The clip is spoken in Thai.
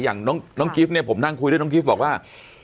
อย่างน้องกิฟต์เนี่ยผมนั่งคุยด้วยน้องกิฟต์บอกว่า